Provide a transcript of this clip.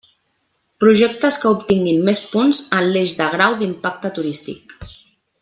Projectes que obtinguin més punts en l'eix de grau d'impacte turístic.